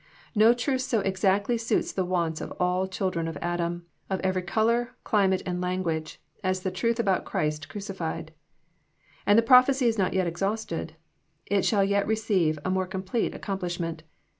No truth so ex actly suits the wants of all children of Adam, of every col our, climate, and language, as the truth about Christ crucified. And the prophecy is not yet exhausted. It shall yet re ceive a more complete accomplishment.